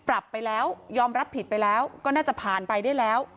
ปรับไปแล้วยอมรับผิดไปแล้วก็น่าจะผ่านไปได้แล้ว